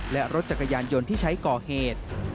และรถจักรยานยนต์ที่ใช้ก่อเหตุ